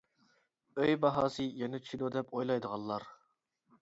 ئۆي باھاسى يەنە چۈشىدۇ دەپ ئويلايدىغانلار.